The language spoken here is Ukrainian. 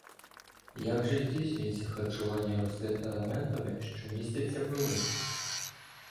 Як же здійснюється харчування рослин елементами, що містяться в ґрунті?